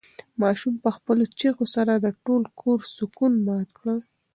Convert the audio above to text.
ماشوم په خپلو چیغو سره د ټول کور سکون مات کړ.